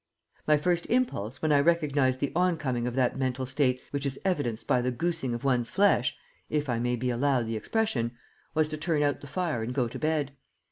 My first impulse, when I recognized the on coming of that mental state which is evidenced by the goosing of one's flesh, if I may be allowed the expression, was to turn out the fire and go to bed.